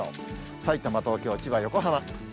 さいたま、東京、千葉、横浜。